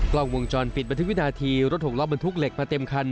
กล้องวงจรปิดบันทึกวินาทีรถหกล้อบรรทุกเหล็กมาเต็มคัน